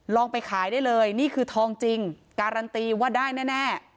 ไปขายได้เลยนี่คือทองจริงการันตีว่าได้แน่